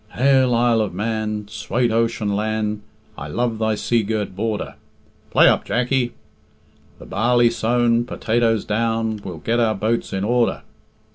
"Hail, Isle of Man, Swate ocean lan', I love thy sea girt border." "Play up, Jackie." "The barley sown, Potatoes down, We'll get our boats in order."